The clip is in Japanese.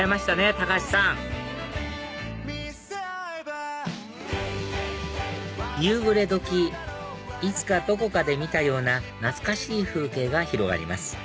高橋さん夕暮れ時いつかどこかで見たような懐かしい風景が広がります